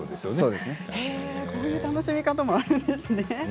こんな楽しみ方もあるんですね。